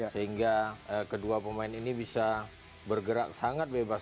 sehingga kedua pemain ini bisa bergerak sangat bebas